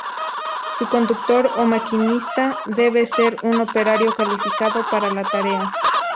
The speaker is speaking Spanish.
Su conductor o maquinista debe ser un operario calificado para la tarea.